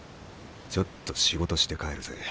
ちょっと仕事して帰るぜ。